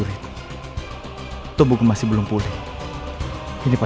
di mana ada yang tidak bisa kulah